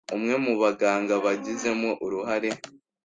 Umwe mu baganga bagizemo uruhare